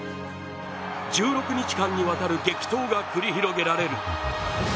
１６日間にわたる激闘が繰り広げられる。